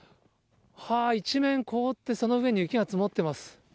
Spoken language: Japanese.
一面凍って、その上に雪が積もってます。